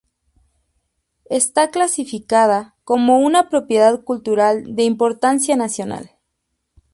Está clasificada como una Propiedad Cultural de Importancia Nacional.